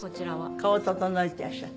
顔を整えていらっしゃる。